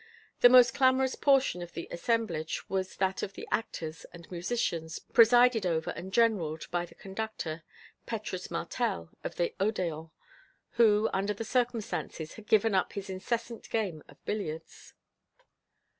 The most clamorous portion of the assemblage was that of the actors and musicians, presided over and generaled by the conductor, Petrus Martel of the Odéon, who, under the circumstances, had given up his incessant game of billiards.